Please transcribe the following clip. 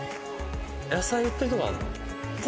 野菜売ってるとこあるな